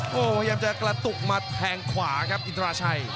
พยายามจะกระตุกมาแทงขวาครับอินทราชัย